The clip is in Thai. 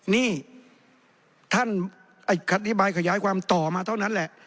นี่ท่านอธิบายขยายความต่อมาเท่านั้นแหละ